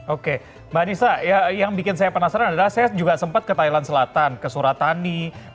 oke mbak anissa yang bikin saya penasaran adalah saya juga sempat ke thailand selatan ke suratani